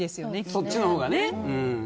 そっちのほうがね。